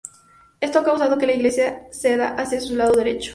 Esto ha causado que la iglesia ceda hacia su lado derecho.